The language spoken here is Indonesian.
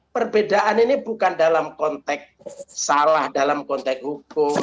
perbedaan ini bukan dalam konteks salah dalam konteks hukum